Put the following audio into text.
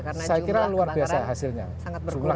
karena jumlah kebakaran sangat berkurang